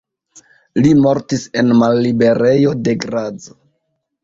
Li mortis en malliberejo de Graz.